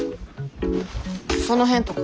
その辺とか。